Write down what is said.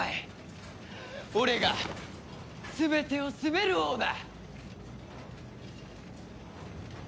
俺が全てを統べる王だ！